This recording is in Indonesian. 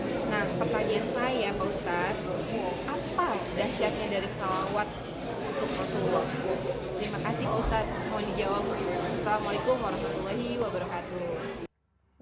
assalamu'alaikum warahmatullahi wabarakatuh